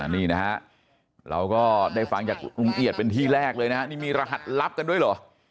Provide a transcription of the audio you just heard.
นี่นะฮะเราก็ได้ฟังจากลุงเอียดเป็นที่แรกเลยนะฮะนี่มีรหัสลับกันด้วยเหรอ